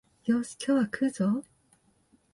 よーし、今日は食うぞお